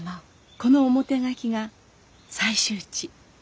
この表書きが採集地。